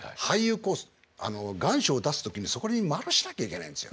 あの願書を出す時にそこに丸しなきゃいけないんですよ。